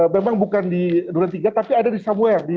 memang bukan di dua puluh tiga tapi ada di somewhere